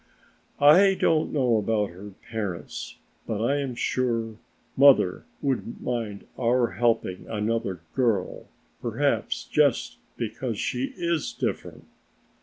"I don't know about parents, but I am sure mother wouldn't mind our helping another girl, perhaps just because she is different."